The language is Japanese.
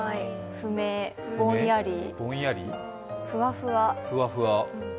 不明、ぼんやり、ふわふわ。